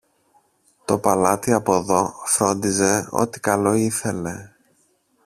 Το παλάτι από δω φρόντιζε ό,τι καλό ήθελε.